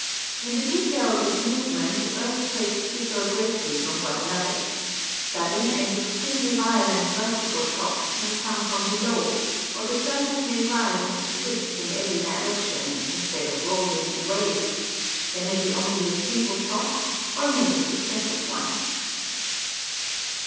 In the details of movement earthquakes differ greatly from one another ; sudden and extremely violent vertical shocks may come from below, or the surface may writhe and twist in every direction, instead of rolling in waves ; there may be only a single shock, or many successive ones.